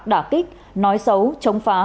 đả kích nói xấu chống phá